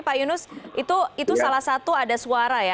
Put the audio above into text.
pak yunus itu salah satu ada suara ya